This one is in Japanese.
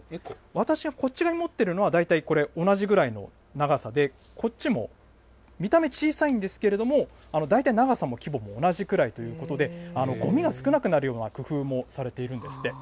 私がこちらに持っているのは大体これ、同じぐらいの長さで、こっちも見た目小さいんですけれども、大体長さも規模も同じくらいということで、ごみが少なくなるような工夫もされているんですって。